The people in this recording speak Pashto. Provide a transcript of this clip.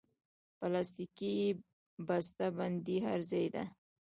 پلاستيکي بستهبندي هر ځای ده.